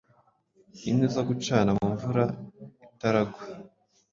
Inkwi zo gucana mumvura itaragwa